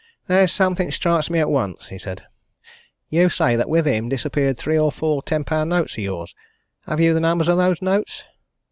"There's something strikes me at once," he said. "You say that with him disappeared three or four ten pound notes of yours. Have you the numbers of those notes?"